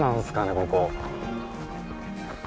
ここ。